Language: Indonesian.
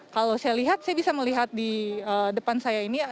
kalau saya lihat saya bisa melihat di depan saya ini